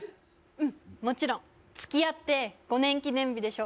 うんもちろん付き合って５年記念日でしょ？